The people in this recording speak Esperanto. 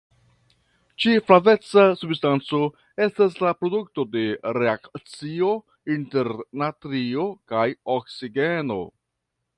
Ĉi-flaveca substanco estas la produkto de reakcio inter natrio kaj oksigeno.